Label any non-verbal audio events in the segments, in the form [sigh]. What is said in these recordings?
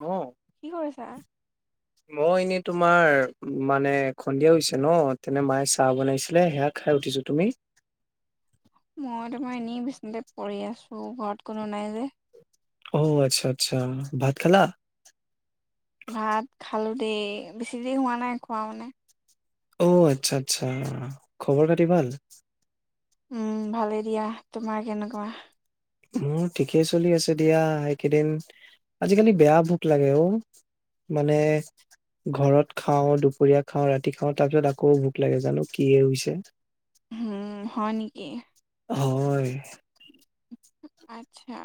অ'। কি কৰিছা? [inaudible] মই এনেই তোমাৰ, মানে, সন্ধিয়া হৈছে ন', তেনে মায়ে চাহ বনাইছিলে সেয়া খাই উঠিছো, তুমি? মই তোমাৰ এনেই বিচনাত পৰি আছোঁ ঘৰত কোনো নাই যে। অ', আচ্ছা, আচ্ছা, ভাত খালা? ভাত, খালোঁ দেই বেছি দেৰি হোৱা নাই, খোৱা মানে। অ', আচ্ছা, আচ্ছা, খবৰ খতি ভাল? উম, ভালেই দিয়া, তোমাৰ কেনেকুৱা? মোৰ ঠিকেই চলি আছে দিয়া এইকেইদিন, আজিকালি বেয়া ভোক লাগে অ'। মানে ঘৰত খাও, দুপৰীয়া খাও, ৰাতি খাও, তাৰ পিছত আকৌ ভোক লাগে জানো কিহে হৈছে। [inaudible] উম, হয় নেকি? হয়। আচ্ছা,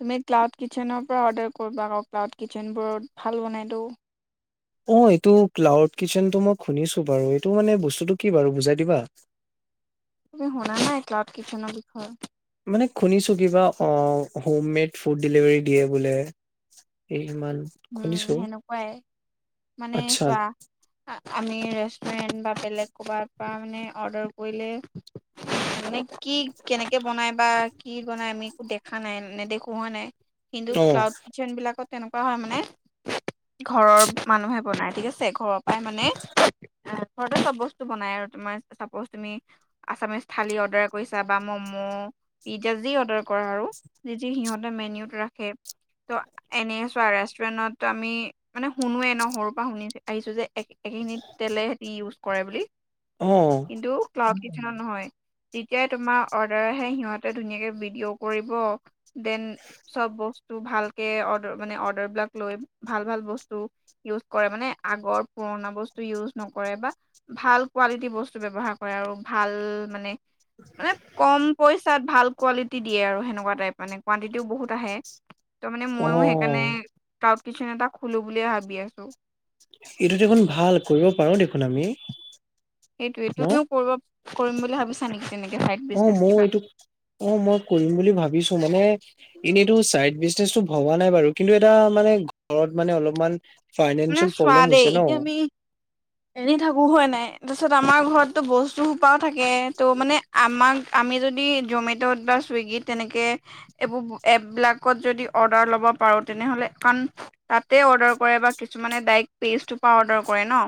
তুমি ক্লাউড কিচেনৰ পৰা অৰ্ডাৰ কৰিবা আকৌ। ক্লাউড কিটচেন বোৰত, ভাল বনাইতো। অ', এইটো ক্লাউড কিচেন টো মই শুনিছোঁ বাৰু, এইটো মানে বস্তুটো কি বাৰু বুজাই দিবা? তুমি শুনা নাই, ক্লাউড কিচেনৰ বিষয়ে? মানে শুনিছোঁ কিবা অ', হোম মেড ফুড ডেলিভাৰী দিয়ে বোলে। এই সিমান উম', সেনেকুৱাই, মানে আচ্ছা চোৱা। আ, আমি ৰেষ্টুৰেণ্ট বা বেলেগ ক'ৰবাৰ পৰা মানে অৰ্ডাৰ কৰিলে। মানে কি কেনেকে বনাই বা, কি বনাই আমি একো দেখা নাই নেদেখোঁ হয় নাই? কিন্তু অ ক্লাউড কিটচেন বিলাকত তেনেকুৱা হয়, মানে ঘৰত মানুহে বনায় ঠিক আছে ঘৰৰ পৰাই মানে ঘৰতে চব বস্তু বনাই আৰু তোমাৰ চাপজ তুমি আচামিছ থালি অৰ্ডাৰ কৰিছা বা ম'ম পিজ্জা যি অৰদাৰ কৰা আৰু যি যি সিহঁতে মেনুত ৰাখে। ত'এনে চোৱা ৰেচ আমি মানে শুনোৱে ন সৰুৰ পৰা শুনি, আহিছো যে একেখিনিত তেলে দি ইও কৰে বোলি অ কিন্ত ক্লাও নহয় যেতিয়াই তোমাৰ অৰ্ডাৰ আহে, সিহঁতে ধুনীয়াকে ভিডিঅ কৰিব। দেন চব বস্তু ভালকে অৰ্ডাৰ মানে, অৰ্ডাৰ বিলাক লৈ ভাল, ভাল বস্তু ইওজ কৰে মানে আগৰ পুৰণা বস্তু ইউজ নকৰে বা ভাল কোৱালিটিৰ বস্তু ব্যৱহাৰ কৰে আৰু ভাল মানে মানে কম পইচাত ভাল কোৱালিটি দিয়ে আৰু সেনেকুৱা টাইপ মানে কুৱানটিতিও বহুত আহে। ত মানে অ মইও সেইকাৰণে ক্লাউড কিতচেন এটা খুলো বুলিয়ে ভাবি আছো। এইটো দেখোন ভাল, কৰিব পাৰো দেখোন আমি। সেইটোৱে ন তুমিও কৰিব কৰিম বুলি ভাবিছা নেকি তেনেকে ছাইড অ বিজনেচ ময়ো কিবা। এইটো অ মই কৰিম বুলি ভাবিছো মানে এনেইটো চাইড বিজনেচটো ভবা নাই, বাৰু কিন্তু এটা মানে ঘৰত মানে অলপমান মানে ফাইনেন্সিয়েল চোৱা প্ৰব্লেম দেই হৈছে ন। এতিয়া আমি এনে থাকো হয় নাই। তাৰপিছত আমাৰ ঘৰত ত' বস্তু সোপাও থাকে ত' মানে আমাক আমি যদি জমেট'ত বা চুইগিত তেনেকে এইবোৰ এপবিলাকত যদি অৰ্ডাৰ ল'ব পাৰোঁ তেনেহ'লে তাতে অৰ্ডাৰ কৰে বা কিছুমানে ডাইৰেক্ট পেজটোৰ পৰা অৰ্ডাৰ কৰে ন।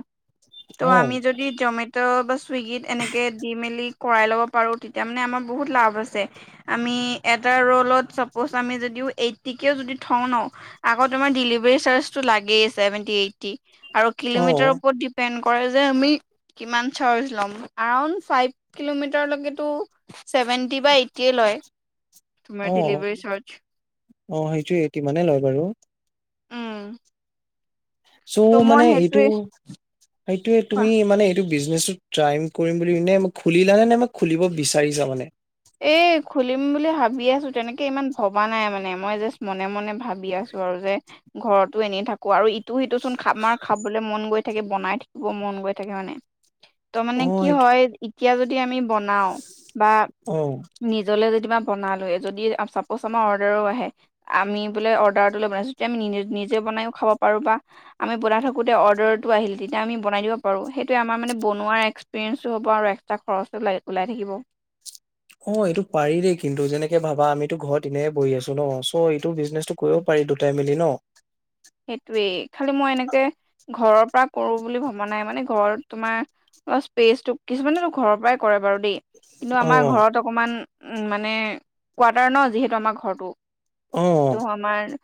ত' অ আমি যদি জমে ত' বা চুইগীত এনেকে দি মেলি কৰাই ল'ব, পাৰো তেতিয়া মানে আমাৰ বহুত লাভ আছে। আমি এটা ৰলত চাপ'জ আমি যদিও, এইটটিকেও যদি থওঁ ন আকৌ তোমাৰ ডেলিভাৰী চাৰ্জটো লাগেই ছেভেনটি এইটটি আৰু অ কিলোমিটাৰৰ ওপৰত দিপে স্পেণ্ড কৰে যে আমি কিমান চাজ লম [unintelligible] ফাইভ কিলোমিটাৰলেকেটো ছেভেন ছেভেনটি বা এইটটিয়ে লয় তোমাৰ অ ডেলিভাৰী চাৰ্জ। অ সেইটোয়ে সিমানেই লয় বাৰু। উম ত' চ' মই মানে এইটো। সেইটোৱে সেইটোয়ে তুমি মানে এইটো বিজনেচ টাইম কৰিম বুলি নে খুলিলা নে নে ম খুলিব বিচাৰিছা মানে? এই খুলিম বোলি ভাবি আছো, তেনেকে ইমান ভবা নাই মানে মই জাষ্ট মনে, মনে ভাবি আছো আৰু যে ঘৰতো এনেই থাকো, আৰু ইটো সিটো চোন খা আমাৰ খাব মন গৈ থাকে বনাই থাকিব মন গৈ থাকে মানে ত অ মানে কি সেইটো হয় এতিয়া যদি আমি বনাওঁ বা উম। নিজলে যেনিবা বনালোয়ে যদি চাপজ আমাৰ অৰ্ডাৰো আহে আমি বোলে অৰ্ডাৰটোলে বনাইছো আমি নিজে বনাই খাব পাৰো বা আমি বনাই থাকোতেই অৰ্দাৰটো আহিল তেতিয়া আমি বনাই দিব পাৰো, সেইটোয়ে আমাৰ মানে বনোৱা এক এস্কপিৰিয়েঞ্চু হ'ব এক্সট্ৰা খৰচো ওলাই থাকিব। অ এইটো পাৰি দেই কিন্তু যেনেকে ভাবা আমিতো ঘৰত এনেই বহি আছো ন চ' এইটো বিজনেচটো কৰিব পাৰি দুটাই মিলি ন সেইটোৱেই খালি মই এনেকে ঘৰৰ পৰা কৰো বুলি ভবা নাই মানে ঘৰত তোমাৰ [unintelligible] কিছুমানটো ঘৰৰ পৰাই কৰে বাৰু দেই কিন্তু অ আমাৰ ঘৰত অকণমান মানে কোৱাৰ্টাৰ ন যিহেতু আমাৰ ঘৰটো। অ তো আমাৰ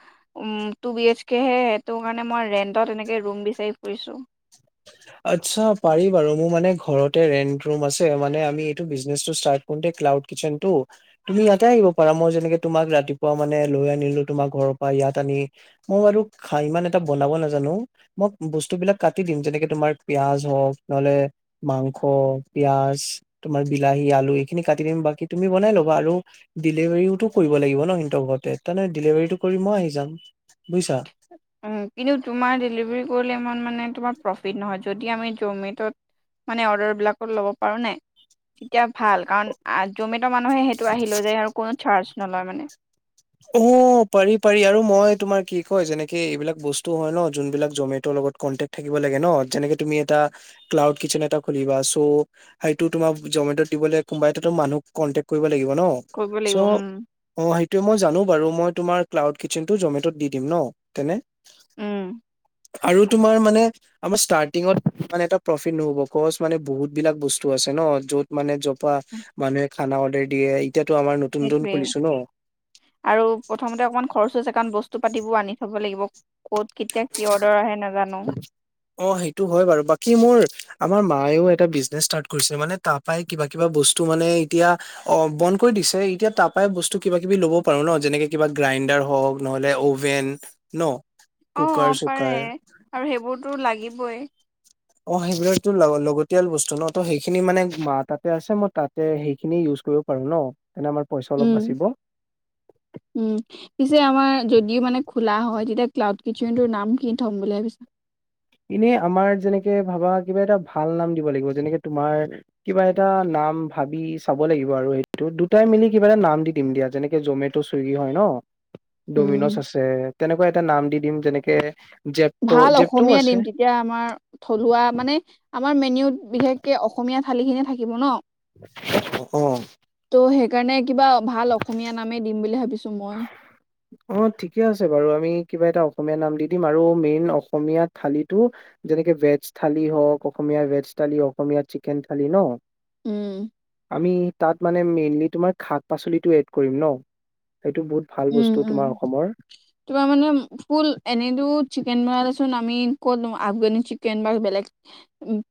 উম টো বি এচ তাকেহে এটো কাৰণে মই ৰেণ্টত এনেকে ৰুম বিচাৰি ফুৰিছো। আচ্ছা পাৰি বাৰু মোৰ মানে ঘৰতে ৰেন্ট ৰুম আছে মানে আমি এইটো বিজনেছ টো ষ্টাৰ্ট গোটেই ক্লাউট কিটছেনটো তুমি ইয়াতে আহিব পাৰা মই যেনেকে তোমাক ৰাতিপুৱা মানে লৈ আনিলো তোমাৰ ঘৰৰ পৰা ইয়াত আনি মই বাৰু খা ইমান এটা বনাব নাজানো মই বস্তু বিলাক কাটি দিম যেনেকে তোমাৰ পিয়াজ হওঁক নহ'লে মাংস, পিয়াজ তোমাৰ বিলাহী, আলু এইখিনি কাটি দিম বাকী তুমি বনাই ল'বা আৰু ডেলিভাৰীওটো কৰিব লাগিব ন সিহঁতৰ ঘৰতে তাৰমানে ডেলিভাৰীটো কৰি মই আহি যাম বুজিছা উ কিন্তু তোমাৰ ডেলিভাৰী কৰিলে ইমান মানে তোমাৰ প্ৰফিত নহয় যদি আমি জমেটত মানে অৰ্ডাৰ বিলাকত ল'ব পাৰো নাই তেতিয়া ভাল কাৰণ আ জমেট' মানুহে সেইটো আহি লৈ যায় আৰু কোনো চাৰ্জ নলয় মানে। অ পাৰি পাৰি আৰু মই তোমাৰ কি কয় যেনেকে এইবিলাক বস্তু হয় ন যোনবিলাক জমেটৰ লগত কন্টেক থাকিব লাগে ন যেনেকে তুমি এটা ক্লাউড কিচেন এটা খুলিবা চ' সেইটো তোমাক জমেটত দিবলে কোনোবাই টোতো মানুহ কণ্টেক্ট কৰিব লাগিব ন কৰিব চ' লাগিব উম অ সেইটো মই জানো বাৰু মই তোমাৰ ক্লাউড কিটছেনটো জমেত'ত দি দিম ন তেনে উম আৰু তোমাৰ মানে আমাৰ ষ্টাৰ্টিংত মানে এটা প্ৰফিট নহ'ব কজ মানে বহুত বিলাক বস্তু আছে ন য'ত মানে য পৰা মানুহে খানা অৰ্ডাৰ দিয়ে এতিয়াতো আমাৰ নতুন সেইটোৱে নতুন খুলিছো ন আৰু প্ৰথমতে অকণমান খৰচো আছে কাৰণ বস্তু পাতিবোৰ আনি থব লাগিব ক'ত কে কেতিয়া কি অৰ্ডাৰ আহে নাজানো অ সেইটো হয় বাৰু বাকী মোৰ আমাৰ মায়েও এটা বিজনেছ ষ্টাৰ্ট কৰিছিলে মানে তাৰ পৰাই কিবা কিবা বস্তু মানে এতিয়া অ বন্ধ কৰি দিছে এতিয়া তাৰাপাই বস্তু কিবা কিবা লব পাৰো ন যেনেকে কিবা গ্ৰাইণ্ডাৰ হওঁক নহ'লে অ'ভেন ন অ কুকাৰ পাৰে চুকাৰ আৰু সেইবোৰতো লাগিবই। অ সেইবিলাকটো লাগ লগতিয়াল বস্তু ন ত সেইখিনি মানে মা তাতে আছে মই তাত তে সেইখিনি ইউজ কৰিব পাৰো ন তেনে আমাৰ পইচা অলপ উম বাচিব। উম পিছে আমাৰ যদিও মানে খোলা হয় তেতিয়া ক্লাউড কিচেনটোৰ নাম কি থম বুলি ভাবিছা? এনেই আমাৰ যেনেকে ভাবা কিবা এটা ভাল নাম দিব লাগিব যেনেকে তোমাৰ কিবা এটা নাম ভাবি চাব লাগিব আৰু সেইটো দুটাই মিলি কিবা এটা নাম দি দিম দিয়া যেনেকে জমে টো চুইগি হয় ন ডমিনজ উম আছে তেনেকুৱা এটা নাম দি দিম যেনেকে জেপট' ভাল জেপট'ও অসমীয়া আছে দিম এতিয়া আমাৰ থলুৱা মানে আমাৰ মেনুউত বিশেষকে অসমীয়া থালি খিনিয়ে থাকিব ন অ অ ত' সেইকাৰণে কিবা ভাল অসমীয়া নামেই দিম বুলি ভাবিছোঁ মই অ ঠিকে আছে বাৰু আমি কিবা এটা অসমীয়া নাম দি দিম আৰু মেইন অসমীয়া থালিটো যেনেকে ভেজ থালি হওঁক, অসমীয়া ভেজ থালি, অসমীয়াৰ চিকেন থালি ন উম আমি তাত মানে মেইনলি তোমাৰ শাক-পাচলিটো এড কৰিম ন এইটো বহুত ভাল উম বস্তু উম তোমাৰ অসমৰ। তোমাৰ মানে ফুল এনেইটো চিকেন বনালেচোন আমি ক'ত আফগানি চিকেন বাৰু বেলেগ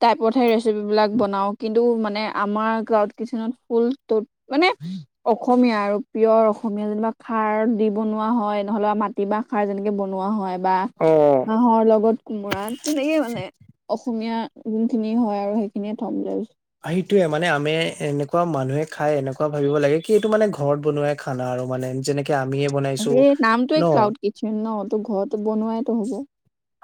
টাইপতহে ৰেচিপি বিলাক বনাও, কিন্তু মানে আমাৰ ক্লাউড কিচেনত ফুল মানে অসমীয়া আৰু পিয়ৰ অসমীয়া যেনিবা খাৰত দি বনোৱা হয়, নহ'লে মাটি মাহ খাৰ যেনেকে বনোৱা হয়। বা অ হাঁহৰ লগত কোমোৰা। তেনেকে মানে অসমীয়া যোনখিনি হয় আৰু সেইখিনিয়ে থম বুলি ভাবিছো। সেইটোয়ে মানে আমি এনেকুৱা মানুহে খাই এনেকুৱা ভাবিব লাগে কি এইটো মানে ঘৰত বনোৱাই খানা আৰু মানে যেনেকে আমিয়ে বনাইছো ন। কিচেন ন ত' ঘৰত বনোৱাইটো হব।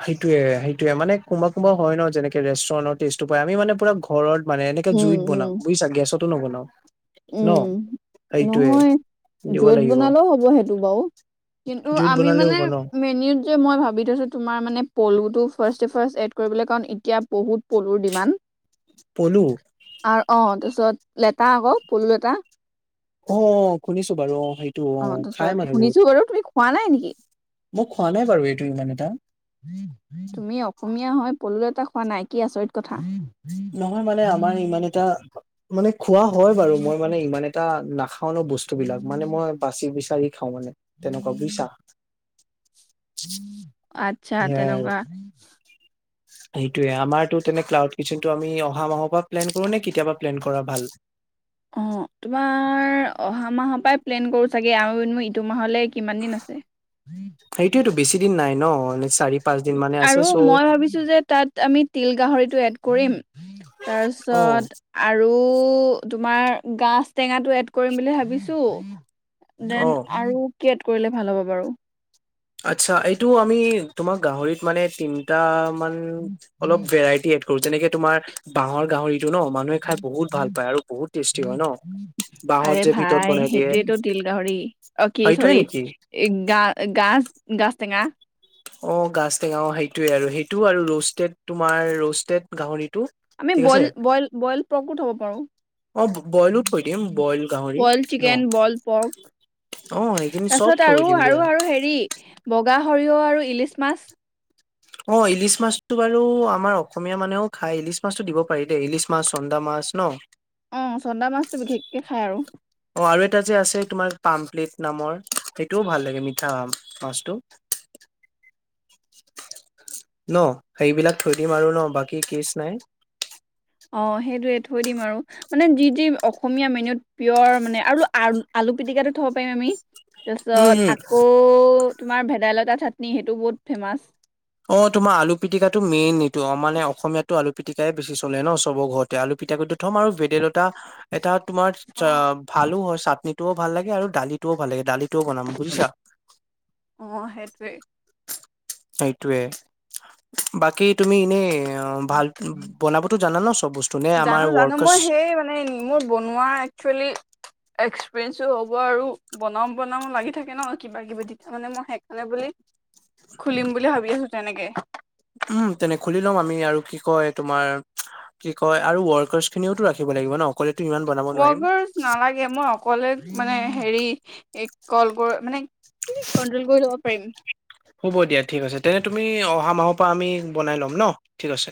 সেইটোৱে সেইটোৱে মানে কোনবা কোনবা হয় ন যেনেকে ৰেষ্টুৰেন্টৰ টেষ্টটো পাই। আমি মানে পুৰা ঘৰত মানে এনেকে উম জুইত উম বনাম বুজিছা? গেছতো নবনাওঁ। উম, নহয় দিব য'ত লাগিব বনালেও হ'ব সেইটো বাও। কিন্তু জুইত আমি বনালেও মানে হ'ব ন মেনুওত মই ভাবি থৈছো তোমাৰ মানে পলুটো ফাৰ্ষ্টে ফাৰ্ষ্ট এড কৰিবলৈ কাৰণ এতিয়া বহুত পলুৰ ডিমান পলু আৰু অ' তাৰপিছত লেটা আক'। পলু লেটা। অ' শুনিছো বাৰু অ' সেইট টো অ' তাৰপিছত খাই মানুহবোৰ, শুনিছো বাৰু তুমি খোৱা নাই নেকি? মই খোৱা নাই বাৰু এইটো ইমান এটা। তুমি অসমীয়া হয় পলু লেটা খোৱা নাই? কি আচৰিত কথা। নহয় মানে আমাৰ ইমান এটা মানে খোৱা হয় বাৰু মই মানে ইমান এটা নাখা খাও ন বস্তুবিলাক, মানে মই বাচি-বিচাৰি খাওঁ মানে তেনেকুৱা বুইছা? আত্ছা তেনকা। সেইটোৱে আমাৰটো তেনে ক্লাউড কিচনটো আমি অহা মাহৰ পৰা প্লেন কৰো নে কেতিয়া পা প্লেন কৰা ভাল? [inaudible] অ' তোমাৰ অহা মাহৰ পৰাই প্লেন কৰোঁ চাগে আও এনেও ইটো মাহলে কিমান দিন আছে। সেইটোৱেটো বেছি দিন নাই ন'! নিচ আৰু মই ভাবিছো যে তাত আমি তিল গাহৰিটো এড কৰিম। অ তাৰপিছত আৰু তোমাৰ গাজ-টেঙাটো এড কৰিম বুলি ভাবিছো। অ ডেন আৰু কি এড কৰিলে ভাল হ'ব বাৰু? আটচ্ছা! এইটো আমি তোমাৰ গাহৰিত মানে তিনটামান অলপ ভেৰাইটি এড যেনেকে তোমাৰ বাঁহৰ গাহৰিটো ন' মানুহে খাই বহুত ভাল পায় আৰু বহুত টেষ্টি হয় ন। বাঁহত আৰে যে ভিতৰত ভাই বনাই দিয়ে সেইটোয়েতো তিল গাহৰি। অ' কি সেইটোৱে চৰি! নেকি এই গা-গাজ-গাজ টেঙা। অ' গাছ টেঙাও! অ' সেইটোৱে আৰু সেইটো আৰু ৰষ্টেড তোমাৰ ৰষ্টেড গাহৰিটো। আমি ঠিক আছে বইল বইল বইল পৰ্কো থব পাৰোঁ। অ বইলো থৈ দিম বইল গাহৰি বইল ন চিকেন, বল অ পৰ্ক। সেইখিনি চব তাৰছত থৈ আৰু দিম দিয়া আৰু আৰু হেৰি বগা সৰিয়হ আৰু ইলিচ মাছ। অ' ইলিচ মাছটো বাৰু আমাৰ অসমীয়া মানুহেও খাই ইলিচ মাছতো দিব পাৰি দেই! ইলিচ মাছ, চন্দা মাছ ন? অ' চন্দা মাছটো বিশেষকে খাই আৰু। অ' আৰু এটা যে আছে তোমাৰ পামপ্লেট নামৰ সেইটোও ভাল লাগে মিঠা আম। মাছটো! ন সেইবিলাক থৈ দিম আৰু ন বাকী কেচ নাই। অ সেইটোৱে থৈ দিম আৰু। মানে যি যি অসমীয়া মেনুত পিয়ৰ মানে আৰু আ আলু পিটিকাটো থব পাৰিম আমি। উম তাৰপিছত উম আকৌ তোমাৰ ভেদাইলতা চাটনি সেইটো বহুত ফেমাচ। অ তোমাৰ আলু পিটিকাটো মেইন এইটো অ মানে অসমীয়াতো আলু পিটিকাই বেছি চলে ন চবৰ ঘৰত। তে আলু পিটিকাটো থম আৰু ভেদাইলতা এটা তোমাৰ অ ভালো হয় চাটনিটোও ভাল লাগে আৰু দালিটোও ভাল লাগে। দালিটোও বনাম, বুজিছা? অ সেইটোৱে। সেইটোৱে, বাকী তুমি ইনে অ ভাল বনাবতো জানা ন চব বস্তু? নে আমাৰ জানো জানো ৱৰ্কৰ্চ মই সেই মানে মোৰ বনোৱা একচুৱেলি এক্সপিৰিয়েন্ঞ্চো হ'ব আৰু বনাম বনাম লাগি থাকে ন কিবা কিবি। তেতিয়া মানে মই সেইকাণে বুলি খুলিম বুলি ভাবি আছো তেনেকে। উম, তেনে খুলি লম আমি আৰু কি কয় তোমাৰ কি কয় আৰু ৱৰ্কাৰছ খিনিওতো ৰাখিব লাগিব ন। অকলেতো ইমান বনাব নোৱাৰিম। তে মই অকলে মানে হেৰি কল কৰ মানে কন্ট্ৰল কৰি লব পাৰিম। হ'ব দিয়া ঠিক আছে। তেনে তুমি অহা মাহ পা আমি বনাই ল'ম ন ঠিক আছে।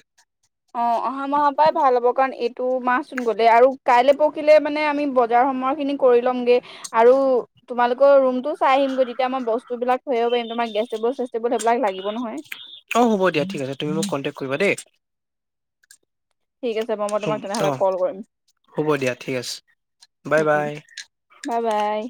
অ' অহা মাহ পাই ভাল হ'ব কাৰণ এইটো মাহ চোন গলে আৰু কাইলে পৰখিলে মানে আমি বজাৰ সময় খিনিক কৰিলংগে আৰু তোমালোক ৰুমটোও চাই আহিম গৈ। তেতিয়া মই বস্তুবিলাক থৈ আহিব পাৰিম। তোমাৰ গেষ্ট টেবুল চেচটেবুল সেইবিলাক লাগিব নহয়। অঁ হ'ব দিয়া ঠিক আছে। তুমি মোক কণ্টেক কৰিবা দেই। ঠিক আছে বাৰু মই তোমাক তেনেহ'লে অ' কল কৰিম হ'ব দিয়া ঠিক আছে। Bye bye. বা বাই।